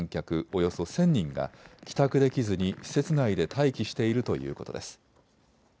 およそ１０００人が帰宅できずに施設内で待機しているということです。